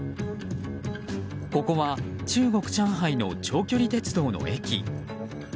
ここは中国・上海の長距離鉄道の駅。